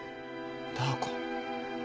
ダー子。